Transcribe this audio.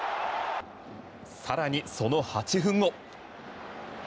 更に、その８分後。